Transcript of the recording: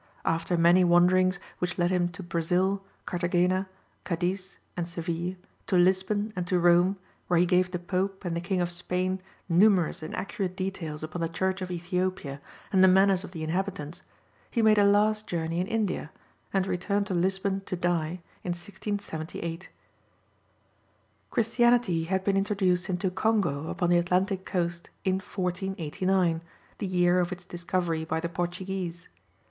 After many wanderings, which led him to Brazil, Carthagena, Cadiz, and Seville, to Lisbon and to Rome, where he gave the Pope and the King of Spain numerous and accurate details upon the Church of Ethiopia and the manners of the inhabitants, he made a last journey in India, and returned to Lisbon to die, in 1678. Christianity had been introduced into Congo, upon the Atlantic coast, in 1489, the year of its discovery by the Portuguese.